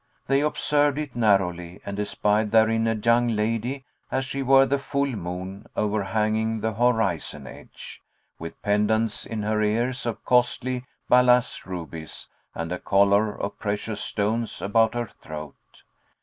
They observed it narrowly and espied therein a young lady, as she were the full moon overhanging the horizon edge, with pendants in her ears of costly balass rubies and a collar of precious stones about her throat.